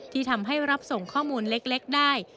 ที่ทำให้รับส่งข้อมูลเล็กได้